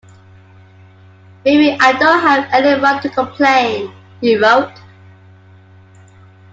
"Maybe I don't have any right to complain," he wrote.